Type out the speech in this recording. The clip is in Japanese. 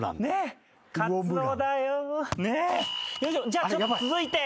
じゃあちょっと続いて。